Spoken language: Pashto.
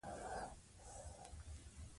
هر شرکت مالي مدیر ته اړتیا لري.